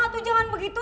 tuh jangan begitu